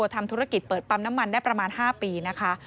ทำธุรกิจเปิดปั๊มน้ำมันได้ประมาณ๕ปีนะคะ